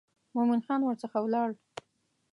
مومن خان ورڅخه ولاړ.